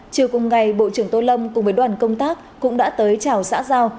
chiều cùng ngày bộ trưởng tô lâm cùng với đoàn công tác cũng đã tới chào xã giao